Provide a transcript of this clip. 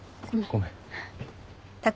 ごめん。